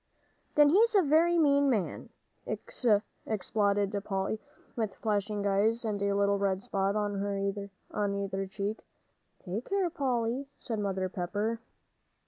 "Then he is a very mean man," exploded Polly, with flashing eyes and a little red spot on either cheek. "Take care, Polly," said Mrs. Pepper.